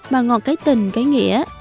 mà ngọt cái tình cái nghĩa